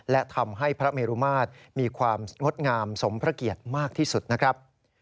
และทำให้พระเมรุมาตรมีความงดงามสมพระเกียรติมากที่สุดนะครับ